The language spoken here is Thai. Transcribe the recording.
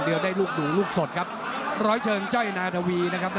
มีวันนี้ครับ